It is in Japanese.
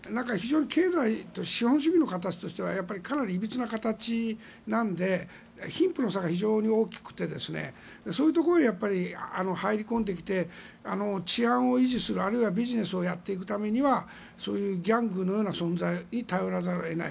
資本主義の形としてはかなりいびつな形で貧富の差が非常に大きくてそういうところで入り込んできて治安を維持するあるいはビジネスをやっていくためにはギャングのような存在に頼らざるを得ない。